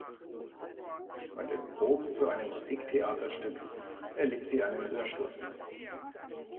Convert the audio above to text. Bei den Proben zu einem Musiktheaterstück erlitt sie einen Hörsturz.